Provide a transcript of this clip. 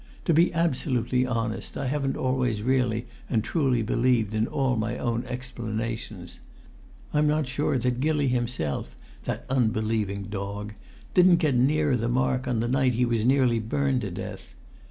To be absolutely honest, I haven't always really and truly believed in all my own explanations. I'm not sure that Gilly himself that unbelieving dog didn't get nearer the mark on the night he was nearly burned to death.